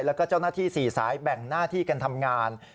แล้วก็เจ้าหน้าที่๔สายแบ่งหน้าที่กันทำงาน